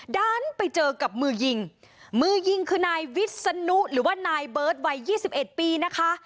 ด้านไปเจอกับมือยิงมือยิงคือนายวิศนุหรือว่านายเบิร์ตวัย๒๑ปีนะคะ